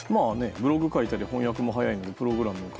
ブログ書いたり翻訳も早いプログラムも。